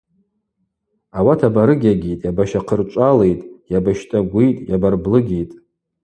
Ауат абарыгьагьитӏ, йабащахъырчӏвалитӏ, йабащтӏагвитӏ, йабарблыгьитӏ.